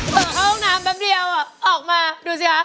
เปิดห้องน้ำแป๊บเดียวออกมาดูสิคะ